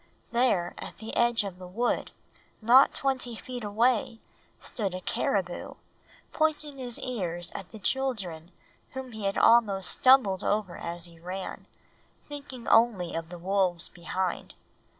There at the edge of the wood, not twenty feet away, stood a caribou, pointing his ears at the children whom he had almost stumbled over as he ran, thinking only of the wolves behind.